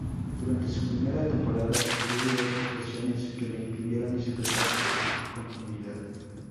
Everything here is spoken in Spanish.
Durante su primera temporada, sufrió diversas lesiones que le impidieron disfrutar de continuidad.